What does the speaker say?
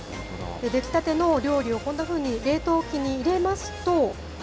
出来たての料理をこんなふうに冷凍機に入れますと。